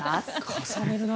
重ねるな。